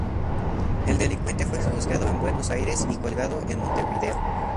El delincuente fue juzgado en Buenos Aires y colgado en Montevideo.